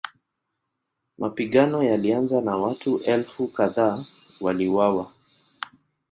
Mapigano yalianza na watu elfu kadhaa waliuawa.